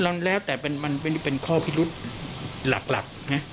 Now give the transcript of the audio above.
ลำแล้วแต่มันเป็นข้อพิรุธหลัก